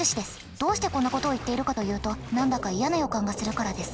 どうしてこんなことを言っているかというと何だか嫌な予感がするからです。